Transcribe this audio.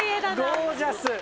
ゴージャス。